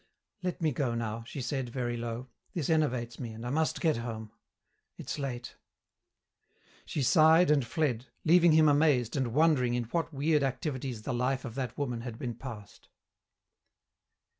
"Let me go now," she said, very low, "this enervates me, and I must get home. It's late." She sighed and fled, leaving him amazed and wondering in what weird activities the life of that woman had been passed.